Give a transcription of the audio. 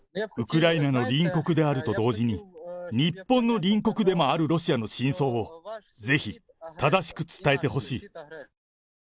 ウクライナの隣国であると同時に、日本の隣国でもあるロシアの真相を、ぜひ正しく伝えてほしい。